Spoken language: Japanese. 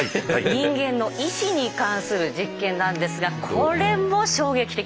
人間の意志に関する実験なんですがこれも衝撃的です。